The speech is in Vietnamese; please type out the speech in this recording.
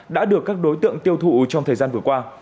đã được các đối tượng tiêu thụ trong thời gian vừa qua